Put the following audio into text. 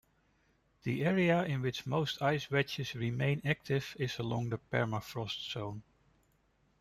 The area in which most ice wedges remain active is along the permafrost zone.